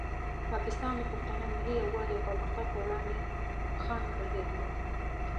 پاکستان د پښتنو ملي یووالي او پرمختګ په وړاندې خنډ ګرځېدلی.